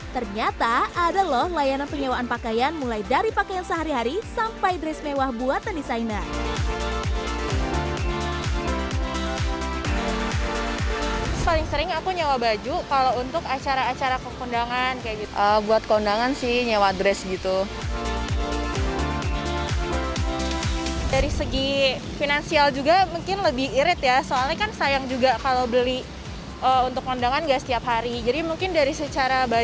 ternyata ada loh layanan penyewaan pakaian mulai dari pakaian sehari hari sampai dress mewah buatan desainer